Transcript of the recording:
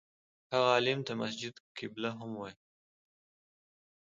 هغه عالم ته مسجد قبله هم وایي.